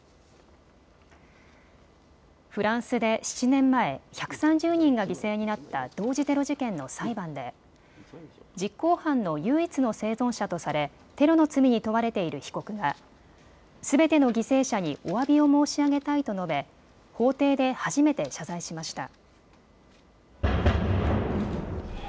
フランスで７年前、１３０人が犠牲になった同時テロ事件の裁判で実行犯の唯一の生存者とされテロの罪に問われている被告がすべての犠牲者におわびを申し上げたいと述べ、法廷で初めて謝罪しました。